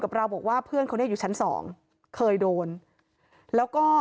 เราบอกว่าเพื่อนเขาเนี่ยอยู่ชั้นสองเคยโดนแล้วก็